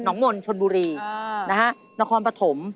งมนชนบุรีนะฮะนครปฐม